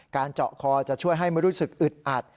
เจาะคอจะช่วยให้ไม่รู้สึกอึดอัด